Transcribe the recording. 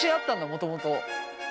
もともと。